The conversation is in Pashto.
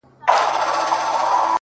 ځكه له يوه جوړه كالو سره راوتـي يــو”